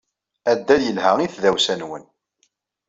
Addal yelha i tdawsa-nwen.